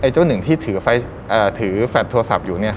เจ้าหนึ่งที่ถือแฟลตโทรศัพท์อยู่